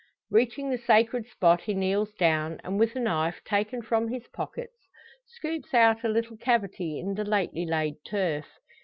Reaching the sacred spot he kneels down, and with a knife, taken from his pockets, scoops out a little cavity in the lately laid turf.